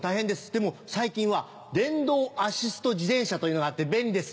でも最近は電動アシスト自転車というのがあって便利です。